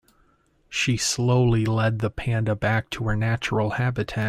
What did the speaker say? She slowly led the panda back to her natural habitat.